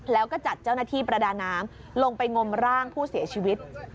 แล้วก็จัดเจ้าหน้าที่ประดาน้ำลงไปงมร่างผู้เสียชีวิต